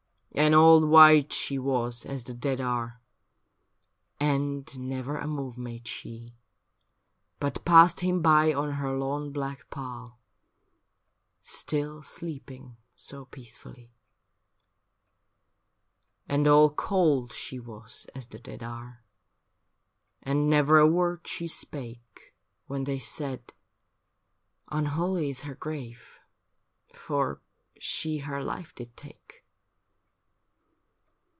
And all white she was as the dead are, And never a move made she, But passed him by on her lone black pall. Still sleeping so peacefully. And all cold she was as the dead are. And never a word she spake, When they said, ' Unholy is her grave For she her life did take.'